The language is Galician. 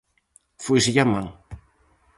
Fóiselle a man.